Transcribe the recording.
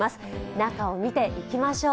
中を見ていきましょう。